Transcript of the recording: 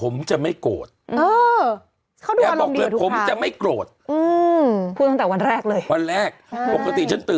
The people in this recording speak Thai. ไม่ให้โมโห